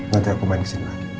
nanti aku main kesini lagi